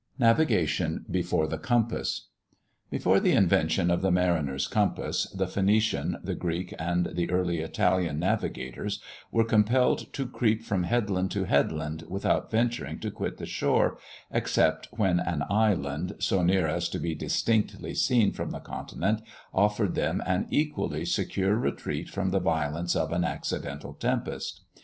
NAVIGATION BEFORE THE COMPASS. Before the invention of the mariner's compass, the Phoenician, the Greek, and the early Italian navigators were compelled to creep from headland to headland, without venturing to quit the shore except when an island, so near as to be distinctly seen from the continent, offered them an equally secure retreat from the violence of an accidental tempest.